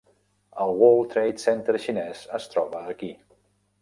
El World Trade Center xinès es troba aquí.